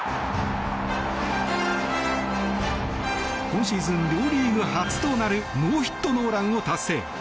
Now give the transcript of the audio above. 今シーズン両リーグ初となるノーヒットノーランを達成。